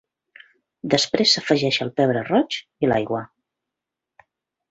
Després s'afegeix el pebre roig, i l'aigua.